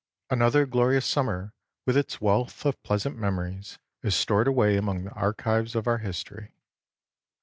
Another glorious summer with its wealth of pleasant memories is stored away among the archives of our history.